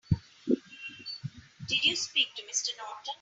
Did you speak to Mr. Norton?